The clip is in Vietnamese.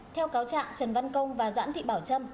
theo cáo trạng trần văn công và doãn thị bảo trâm